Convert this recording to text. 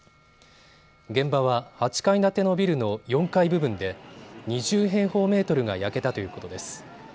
現場は８階建てのビルの４階部分で２０平方メートルが焼けたということです。